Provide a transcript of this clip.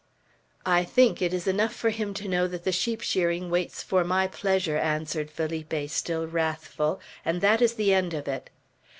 "I think it is enough for him to know that the sheep shearing waits for my pleasure," answered Felipe, still wrathful, "and that is the end of it."